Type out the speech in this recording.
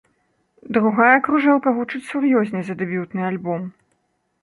Другая кружэлка гучыць сур'ёзней за дэбютны альбом.